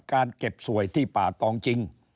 การเก็บสวยที่ป่าตองจริง